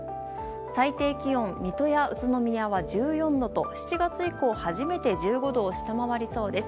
最低気温水戸や宇都宮は１４度と７月以降初めて１５度を下回りそうです。